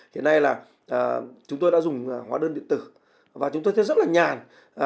thế này là chúng tôi đã dùng hóa đơn điện tử và chúng tôi thấy rất là nhàn